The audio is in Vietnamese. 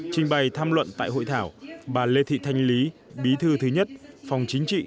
trình bày tham luận tại hội thảo bà lê thị thanh lý bí thư thứ nhất phòng chính trị